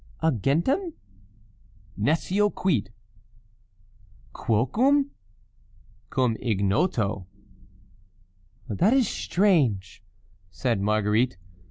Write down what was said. "Agentem?" "Nescio quid." "Quocum?" "Cum ignoto." "That is strange," said Marguerite.